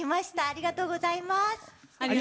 ありがとうございます。